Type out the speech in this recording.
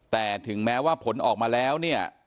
แต่ถึงแม้ว่าผลออกมาแล้วเนี่ย